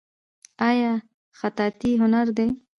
آیا خطاطي هنر دی؟